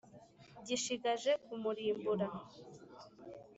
gishigaje kumurimbura.